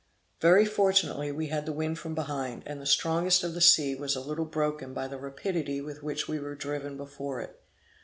Very fortunately we had the wind from behind, and the strongest of the sea was a little broken by the rapidity with which we were driven before it.